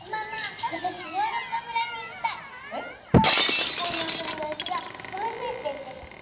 学校のお友達が楽しいって言ってた。